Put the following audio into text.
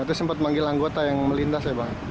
terus sempat manggil anggota yang melintas ya bang